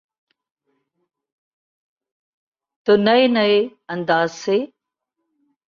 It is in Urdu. تو نپے تلے انداز سے۔